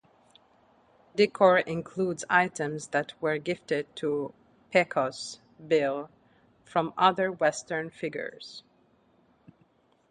Decor includes items that were gifted to Pecos Bill from other western figures.